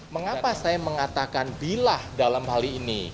mengapa saya mengatakan bilah dalam hal ini